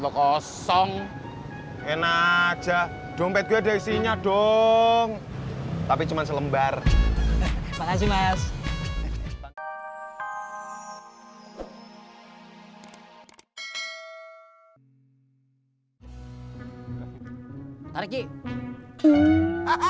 lo kosong enak aja dompet gue di sini adung tapi cuman selembar makasih mas